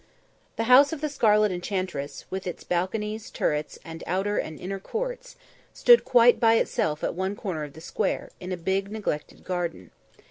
The house of the "Scarlet Enchantress," with its balconies, turrets and outer and inner courts, stood quite by itself at one corner of the Square, in a big, neglected garden.